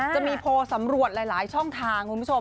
จะมีโพลสำรวจหลายช่องทางคุณผู้ชม